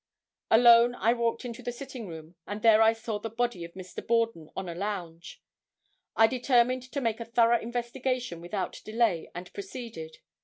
Alone I walked into the sitting room and there I saw the body of Mr. Borden on a lounge. I determined to make a thorough investigation without delay and proceeded.